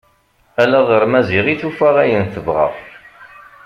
Ala ɣer Maziɣ i tufa ayen tebɣa.